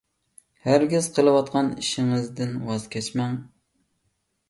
ھەرگىز قىلىۋاتقان ئىشىڭىزدىن ۋاز كەچمەڭ.